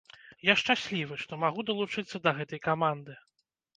Я шчаслівы, што магу далучыцца да гэтай каманды.